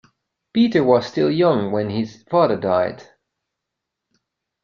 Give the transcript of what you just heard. Peter was still young when his father died.